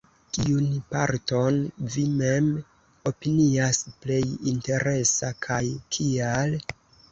Kiun parton vi mem opinias plej interesa, kaj kial?